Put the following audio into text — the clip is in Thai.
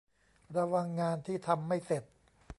ระวังงานที่ทำไม่เสร็จ